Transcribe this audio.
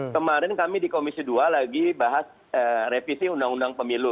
kemarin kami di komisi dua lagi bahas revisi undang undang pemilu